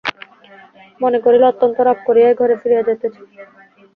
মনে করিল, অত্যন্ত রাগ করিয়াই ঘরে ফিরিয়া যাইতেছি।